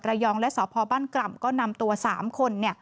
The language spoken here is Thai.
ระยองและบกลัมก็นำตัว๓คน